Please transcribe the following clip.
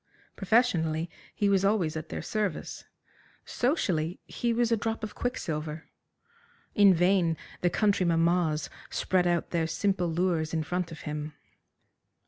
Professionally, he was always at their service. Socially, he was a drop of quicksilver. In vain the country mammas spread out their simple lures in front of him.